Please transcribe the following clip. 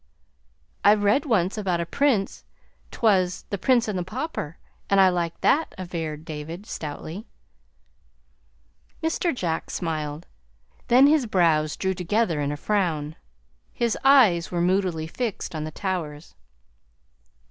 "I read one once about a prince 't was 'The Prince and the Pauper,' and I liked that," averred David stoutly. Mr. Jack smiled; then his brows drew together in a frown. His eyes were moodily fixed on the towers.